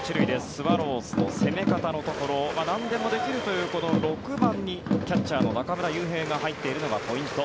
スワローズの攻め方というところなんでもできるという６番にキャッチャーの中村悠平が入っているのがポイント。